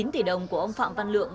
chín tỷ đồng của ông phạm văn lượng